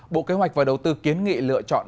bộ kế hoạch và đầu tư kiến nghị lựa chọn